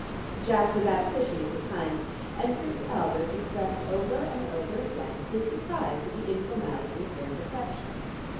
Jack was out fishing at the time, and Prince Albert expressed over and over again his surprise at the informality of their reception.